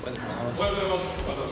おはようございます。